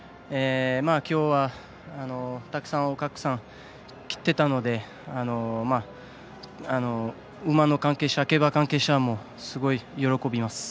今日はたくさんお客さん来てたので馬の関係者、競馬関係者もすごい喜びます。